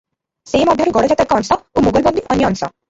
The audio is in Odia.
ସେ ମଧ୍ୟରୁ ଗଡଜାତ ଏକ ଅଂଶ ଓ ମୋଗଲବନ୍ଦୀ ଅନ୍ୟ ଅଂଶ ।